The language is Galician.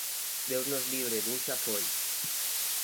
Deus nos libre dun xa foi.